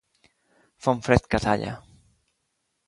Fa un fred que talla.